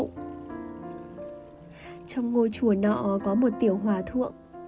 trong ngôi chùa nọ có một tiểu hòa thượng